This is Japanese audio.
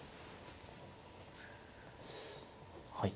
はい。